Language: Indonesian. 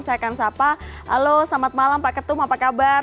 saya akan sapa halo selamat malam pak ketum apa kabar